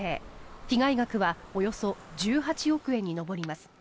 被害額はおよそ１８億円に上ります。